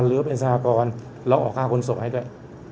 หรือเป็นสหกรณ์เราออกค่าขนส่งให้ด้วย